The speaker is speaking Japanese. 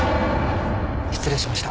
失礼しました。